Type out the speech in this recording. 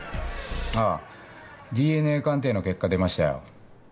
あぁＤＮＡ鑑定の結果出ましたよ。